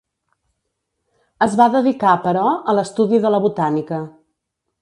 Es va dedicar, però, a l'estudi de la botànica.